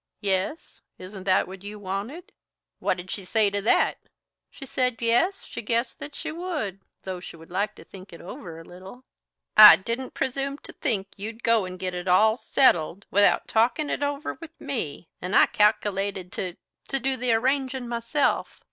"Yes; isn't that what you wanted?" "What did she say to that?" "She said yes, she guessed that she would, though she would like to think it over a little." "I didn't presume to think you'd go and get it all settled without talkin' it over with me, and I calc'lated to to do the arrangin' myself.